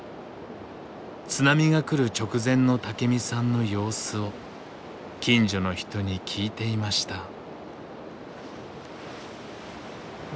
津波が来る直前の武身さんの様子を近所の人に聞いていました。